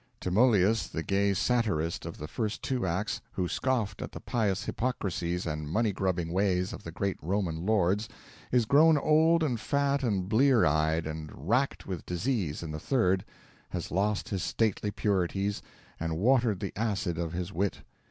Timoleus, the gay satirist of the first two acts, who scoffed at the pious hypocrisies and money grubbing ways of the great Roman lords, is grown old and fat and blear eyed and racked with disease in the third, has lost his stately purities, and watered the acid of his wit.